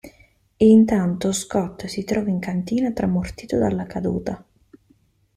Intanto Scott si trova in cantina tramortito dalla caduta.